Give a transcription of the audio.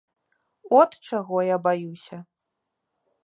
От чаго я баюся.